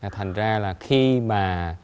thành ra là khi mà